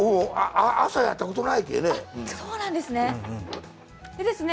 朝やったことないけね。